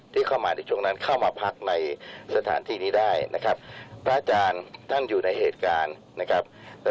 ที่เข้ามาในช่วงนั้นเข้ามาพักในสถานที่นี้ได้นะครับ